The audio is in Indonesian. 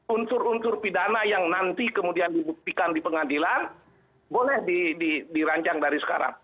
unsur unsur pidana yang nanti kemudian dibuktikan di pengadilan boleh dirancang dari sekarang